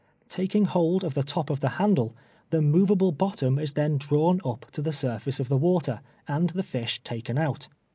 Taking hold of the top of the handle, the movable bottom is then drawn up to the surface of the water, and the fish taken out.